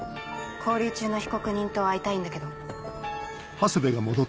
勾留中の被告人と会いたいんだけど。